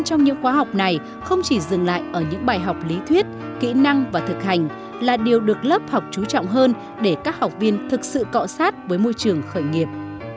trong những khóa học này không chỉ dừng lại ở những bài học lý thuyết kỹ năng và thực hành là điều được lớp học chú trọng hơn để các học viên thực sự cọ sát với môi trường khởi nghiệp